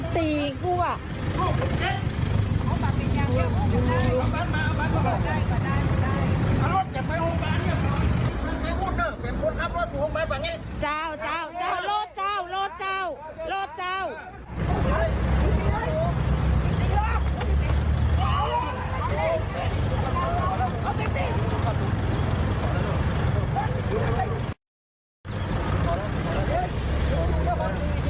เจ้าเจ้าโลดเจ้าโลดเจ้าโลดเจ้า